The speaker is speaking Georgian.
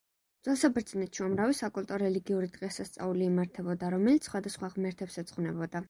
ძველ საბერძნეთში უამრავი საკულტო-რელიგიური დღესასწაული იმართებოდა, რომელიც სხვადასხვა ღმერთებს ეძღვნებოდა.